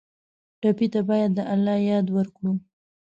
ټپي ته باید د الله یاد ورکړو.